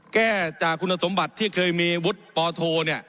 แก้จากคุณสมบัติที่เคยมีวุฒิปโท